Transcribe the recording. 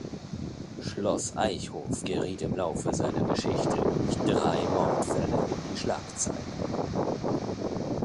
Schloss Eichhof geriet im Laufe seiner Geschichte durch drei Mordfälle in die Schlagzeilen.